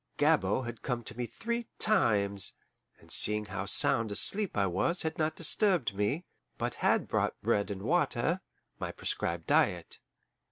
Gabord had come to me three times, and seeing how sound asleep I was had not disturbed me, but had brought bread and water my prescribed diet.